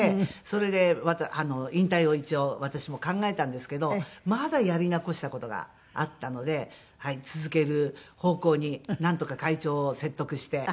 それで引退を一応私も考えたんですけどまだやり残した事があったので続ける方向になんとか会長を説得して。